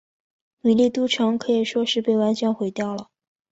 米利都城可以说是被完全毁掉了。